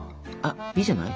いいんじゃない？